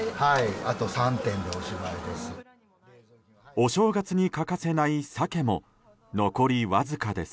お正月に欠かせないサケも残りわずかです。